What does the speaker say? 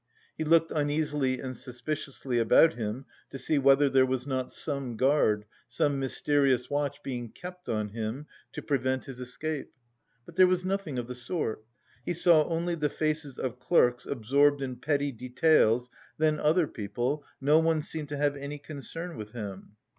He looked uneasily and suspiciously about him to see whether there was not some guard, some mysterious watch being kept on him to prevent his escape. But there was nothing of the sort: he saw only the faces of clerks absorbed in petty details, then other people, no one seemed to have any concern with him.